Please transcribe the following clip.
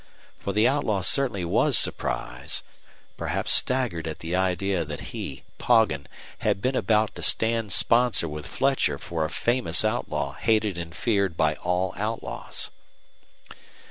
For the outlaw certainly was surprised, perhaps staggered at the idea that he, Poggin, had been about to stand sponsor with Fletcher for a famous outlaw hated and feared by all outlaws.